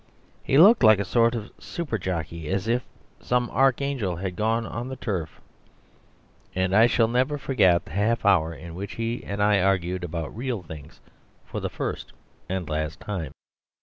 He looked like a sort of Super jockey; as if some archangel had gone on the Turf. And I shall never forget the half hour in which he and I argued about real things for the first and the last time.